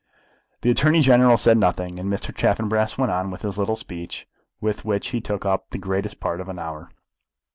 The Attorney General said nothing, and Mr. Chaffanbrass went on with his little speech, with which he took up the greatest part of an hour.